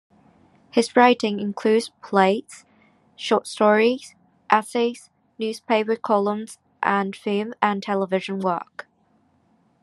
His writing includes plays, short stories, essays, newspaper columns and film and television work.